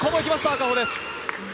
赤穂です。